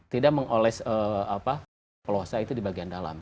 tidak mengoles plosa itu di bagian dalam